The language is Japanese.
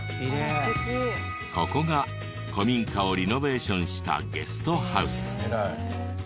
ここが古民家をリノベーションしたゲストハウス。